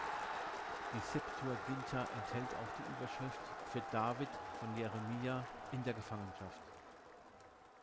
Die Septuaginta enthält auch die Überschrift „Für David, von Jeremiah, in der Gefangenschaft“.